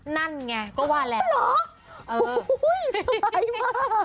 นั่นไงก็ว่าแล้วโอ้โหสบายมาก